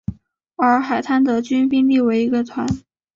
而海滩德军兵力为一个团。